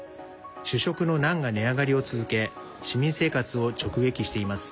主食のナンが値上がりを続け市民生活を直撃しています。